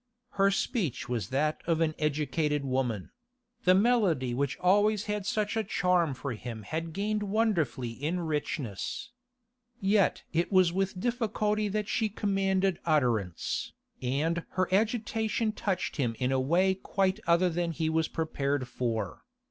Her speech was that of an educated woman; the melody which always had such a charm for him had gained wonderfully in richness. Yet it was with difficulty that she commanded utterance, and her agitation touched him in a way quite other than he was prepared for.